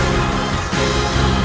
kau tidak bisa menang